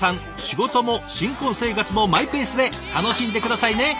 仕事も新婚生活もマイペースで楽しんで下さいね。